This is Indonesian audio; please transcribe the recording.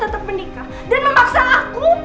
dan ini adalah